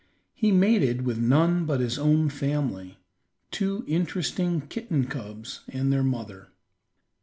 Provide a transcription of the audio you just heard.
He mated with none but his own family, two interesting kitten cubs, and their mother.